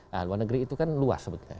nah luar negeri itu kan luas sebetulnya